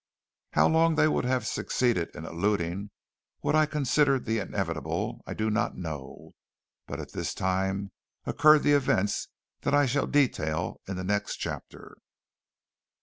How long they would have succeeded in eluding what I considered the inevitable, I do not know; but at this time occurred the events that I shall detail in the next chapter.